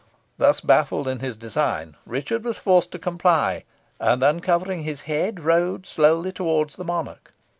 Thus, baffled in his design, Richard was forced to comply, and, uncovering his head, rode slowly towards the monarch.